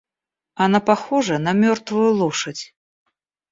Она похожа на мертвую лошадь.